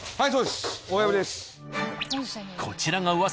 はい。